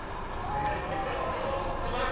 念を送ってます。